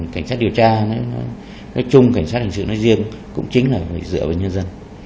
cảnh sát điều tra nói chung cảnh sát hình sự nói riêng cũng chính là người dựa vào nhân dân